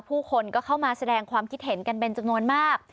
ผู้คนก็เข้ามาแสดงความคิดเห็นกันเป็นจำนวนมาก